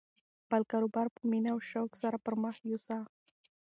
خپل کاروبار په مینه او شوق سره پرمخ یوسه.